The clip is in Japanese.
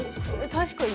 確かに。